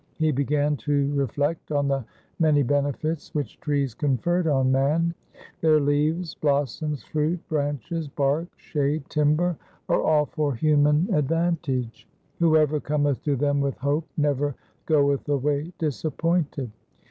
He began to reflect on the many benefits which trees conferred on man. Their leaves, blossoms, fruit, branches, bark, shade, timber are all for human 1 Guru Arjan, Gauri Purbi. LIFE OF GURU HAR GOBIND 227 advantage. Whoever cometh to them with hope never goeth away disappointed.